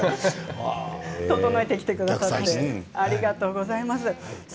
整えてきてくださってありがとうございます。